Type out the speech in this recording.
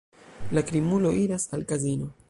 La krimulo iras al kazino.